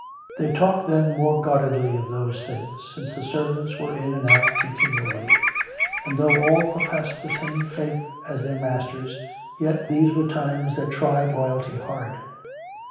They talked, then, guardedly of those things, since the servants were in and out continually, and though all pro fessed the same faith as their masters, yet these were times that tried loyalty hard.